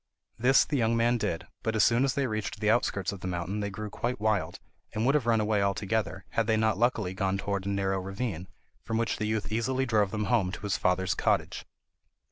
This the young man did, but as soon as they reached the outskirts of the mountain they grew quite wild, and would have run away altogether, had they not luckily gone towards a narrow ravine, from which the youth easily drove them home to his father's cottage.